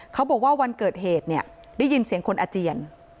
เขาบอกว่าวันเกิดเหตุเนี่ยได้ยินเสียงคนอาเจียน